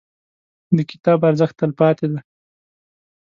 • د کتاب ارزښت، تلپاتې دی.